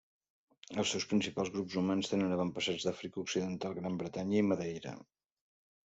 Els seus principals grups humans tenen avantpassats d'Àfrica Occidental, Gran Bretanya i Madeira.